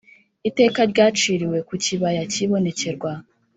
Iteka ryaciriwe ku kibaya cy’ibonekerwa.